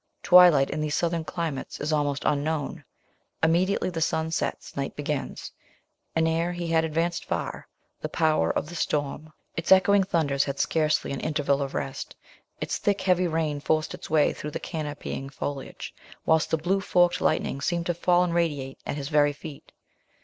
Twilight, in these southern climates, is almost unknown; immediately the sun sets, night begins: and ere he had advanced far, the power of the storm was above its echoing thunders had scarcely an interval of rest its thick heavy rain forced its way through the canopying foliage, whilst the blue forked lightning seemed to fall and radiate at his very feet.